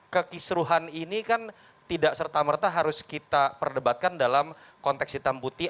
kekisruhan ini kan tidak serta merta harus kita perdebatkan dalam konteks hitam putih